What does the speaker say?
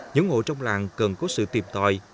những ngôi trong làng cần có sự tìm tòi